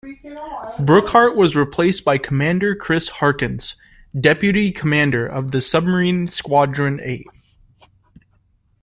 Brookhart was replaced by Commander Chris Harkins, deputy commander of Submarine Squadron Eight.